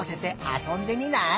あそんでみたい。